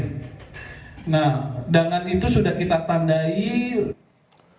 nah dengan itu sudah kita tandai